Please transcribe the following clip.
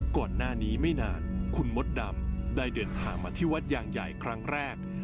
ก่อนหน้านี้ไม่นานคุณมดดำได้เดินทางมาที่วัดยางใหญ่ครั้งแรก